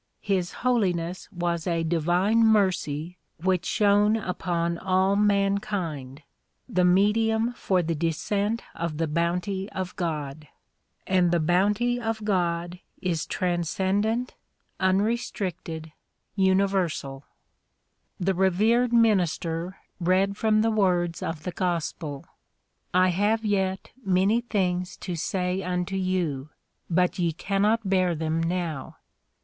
His Holiness was a divine mercy which shone upon all mankind, the medium for the descent of the bounty of God ; and the bounty of God is transcendent, unrestricted, universal. DISCOURSES DELIVERED IN WASHINGTON 39 The revered minister read from the words of the gospel "I have yet many things to say unto you, but ye cannot bear them now.